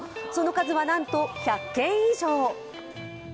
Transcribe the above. その数は、なんと１００件以上。